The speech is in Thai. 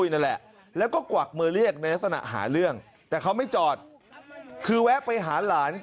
นั่นแหละแล้วก็กวักมือเรียกในลักษณะหาเรื่องแต่เขาไม่จอดคือแวะไปหาหลาน